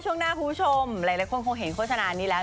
ช่วงหน้าคุณผู้ชมหลายคนคงเห็นโฆษณานี้แล้ว